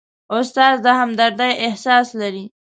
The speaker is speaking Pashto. استاد د همدردۍ احساس لري.